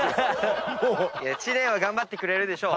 知念は頑張ってくれるでしょう。